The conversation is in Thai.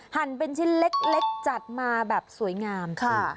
หั่นเป็นชิ้นเล็กจัดมาแบบสวยงามค่ะ